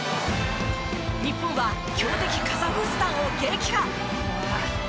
日本は強敵カザフスタンを撃破。